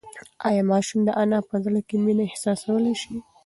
ایا ماشوم د انا په زړه کې مینه احساسولی شي؟